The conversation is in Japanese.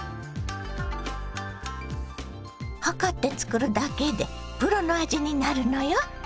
量って作るだけでプロの味になるのよ。